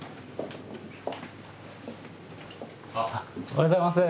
おはようございます！